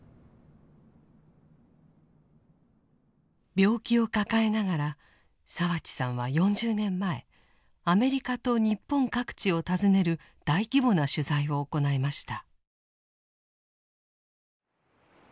病気を抱えながら澤地さんは４０年前アメリカと日本各地を訪ねる大規模な取材を行いました。